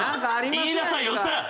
言いなさいよそしたら！